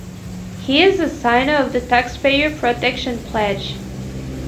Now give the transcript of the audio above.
He is a signer of the Taxpayer Protection Pledge.